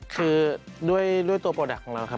คือด้วยตัวโปรดักต์ของเราครับ